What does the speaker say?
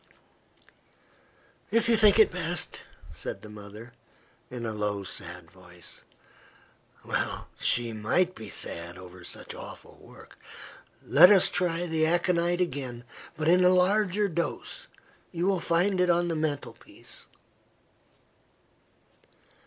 "If you think it best," said the mother, in a low sad voice (well she might be sad over such awful work) "let us try the aconite again, but in a larger dose. You will find it on the mantelpiece."